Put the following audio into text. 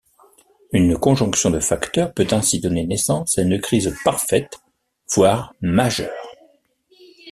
Une conjonction de facteurs peut ainsi donner naissance à une crise parfaite voire majeure.